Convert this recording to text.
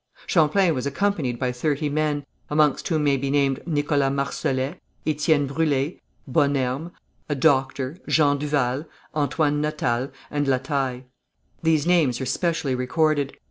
Champlain was accompanied by thirty men, amongst whom may be named Nicholas Marsolet, Étienne Brûlé, Bonnerme, a doctor, Jean Duval, Antoine Natel and La Taille. These names are specially recorded.